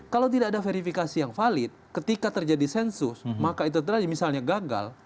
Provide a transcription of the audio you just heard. kalau tidak ada verifikasi yang valid ketika terjadi sensus maka itu terjadi misalnya gagal